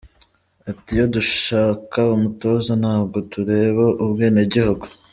Ati “Iyo dushaka umutoza ntabwo tureba ubwenegihugu.